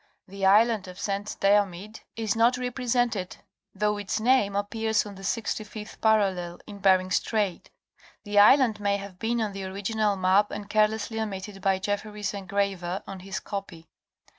The island of St. Deomid (Diomede) is not represented though its name appears on the 65th parallel in Ber ing Strait. The island may have been on the original map and care lessly omitted by Jefferys' engraver on his copy.